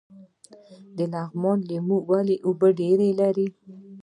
د لغمان لیمو ولې اوبه ډیرې لري؟